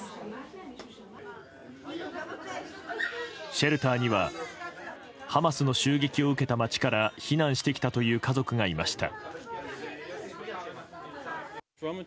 シェルターにはハマスの襲撃を受けた街から避難してきたという家族がいました。